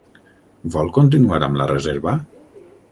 Vol continuar amb la reserva?